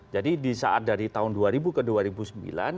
jadi di saat dari tahun dua ribu ke tahun dua ribu